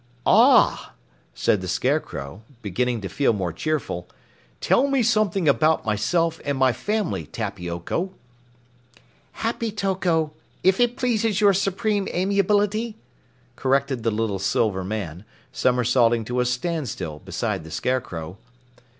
"Ah!" said the Scarecrow, beginning to feel more cheerful, "Tell me something about myself and my family, Tappy Oko." "Happy Toko, if it pleases your Supreme Amiability," corrected the little silver man, somersaulting to a standstill beside the Scarecrow.